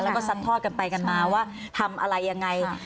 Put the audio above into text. แล้วก็ซัดทอดกันไปกันมาว่าทำอะไรยังไง